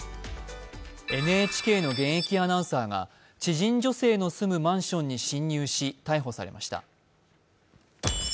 ＮＨＫの現役アナウンサーが知人女性の住むマンションに侵入し逮捕されました。